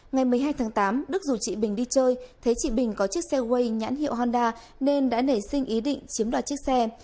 ngày một mươi hai tháng tám đức rủ chị bình đi chơi thấy chị bình có chiếc xe way nhãn hiệu honda nên đã nảy sinh ý định chiếm đoạt chiếc xe